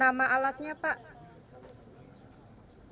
nama alatnya pak